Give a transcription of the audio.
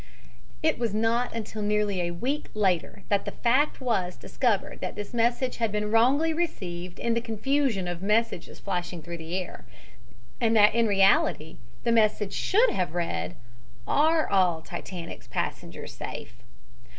It was not until nearly a week later that the fact was discovered that this message had been wrongly received in the confusion of messages flashing through the air, and that in reality the message should have read: "Are all Titanic's passengers safe?"